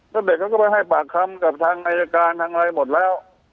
แล้วเด็กเขาก็ไปให้ปากคำกับทางอายการทางอะไรหมดแล้ว